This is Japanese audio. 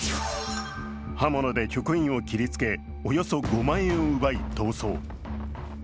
刃物で局員を切りつけ、およそ５万円を奪い、逃走。